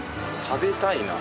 「食べたいな」